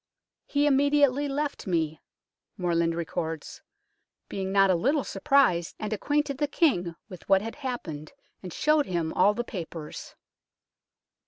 " He immediately left me," Morland records, " being not a little surprised, and acquainted the King with what had happ ened, and showed him all the papers."